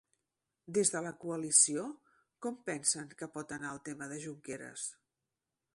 Des de la coalició com pensen que pot anar el tema de Junqueras?